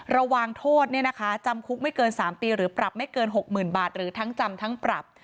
ระวังโทษจำคุกไม่เกิน๓ปีหรือปรับไม่เกิน๖๐๐๐บาทหรือทั้งจำทั้งปรับ